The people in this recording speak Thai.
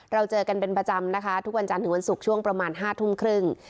เจอกันเป็นประจำนะคะทุกวันจันทร์ถึงวันศุกร์ช่วงประมาณ๕ทุ่มครึ่ง